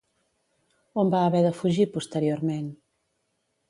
On va haver de fugir posteriorment?